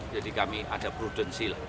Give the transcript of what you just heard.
jadi kami ada prudensi